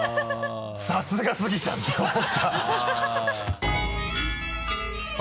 さすがスギちゃんって思った